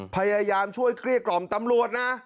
พยายามช่วยเกลี้ยกล่อมตำรวจนะ